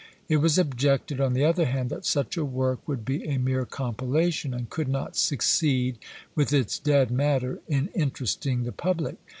It was objected, on the other hand, that such a work would be a mere compilation, and could not succeed with its dead matter in interesting the public.